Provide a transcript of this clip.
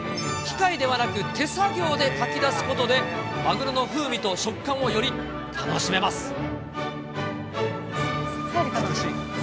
機械ではなく、手作業でかき出すことで、マグロの風味と食感を、より楽しめます。